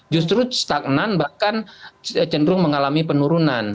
justru stagnan bahkan cenderung mengalami penurunan